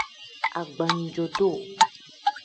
Agbanjo-duu.